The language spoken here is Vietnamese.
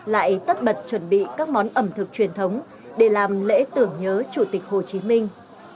lại tất bật chuẩn bị các món ẩm thực truyền thống để làm lễ tưởng nhớ chủ tịch hồ chí minh